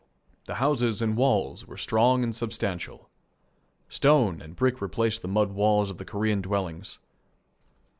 The houses and walls were strong and substantial. Stone and brick replaced the mud walls of the Korean dwellings.